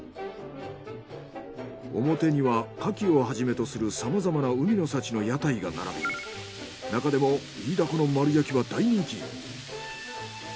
表にはカキをはじめとするさまざまな海の幸の屋台が並び中でもイイダコの丸焼きは大人気。